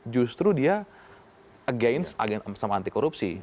justru dia against agen sama anti korupsi